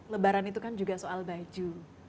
lebaran itu kan juga soal baju